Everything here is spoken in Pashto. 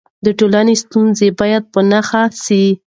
د ټولنې ستونزې باید په نښه سي.